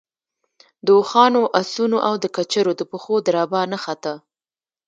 د اوښانو، آسونو او د کچرو د پښو دربا نه خته.